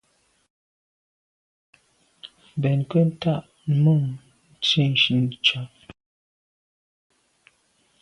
Mbèn nke ntà num nsitsha’a.